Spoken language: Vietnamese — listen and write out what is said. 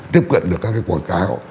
tiếp cận được các quảng cáo